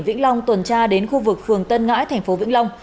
vĩnh long tuần tra đến khu vực phường tân ngãi thành phố vĩnh long